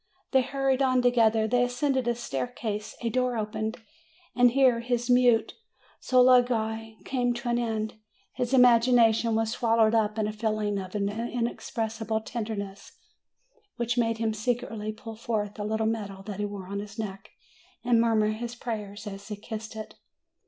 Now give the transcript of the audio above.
They hurried on together; they ascended a staircase ; a door opened. And here his mute soliloquy came to an end; his imagination was swallowed up in a feeling of inexpressible tenderness, which made him secretly pull forth a little medal that he wore on his neck, and murmur his prayers as he kissed it.